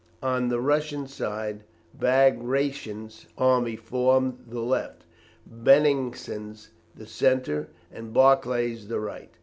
On the Russian side Bagration's army formed the left, Beningsen's the centre, and Barclay's the right.